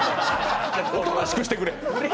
おとなしくしてくれ。